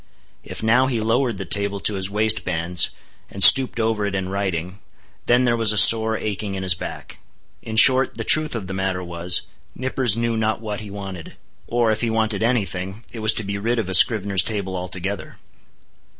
If now he lowered the table to his waistbands, and stooped over it in writing, then there was a sore aching in his back. In short, the truth of the matter was, Nippers knew not what he wanted. Or, if he wanted any thing, it was to be rid of a scrivener's table altogether.